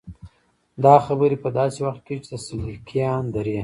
دا خبرې په داسې وخت کې کېږي چې د 'سیليکان درې'.